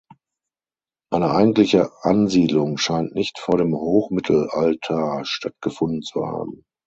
Eine eigentliche Ansiedlung scheint nicht vor dem Hochmittelalter stattgefunden zu haben.